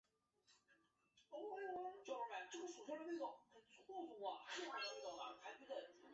宋太祖之后的皇帝均遵守此国策。